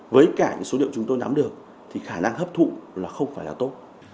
với cả số liệu chúng tôi nắm được khả năng hấp thụ không phải là tốt